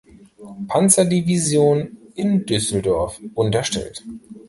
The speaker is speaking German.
Panzerdivision in Düsseldorf unterstellt.